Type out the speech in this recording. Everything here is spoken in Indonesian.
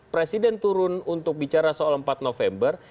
presiden turun untuk bicara soal empat november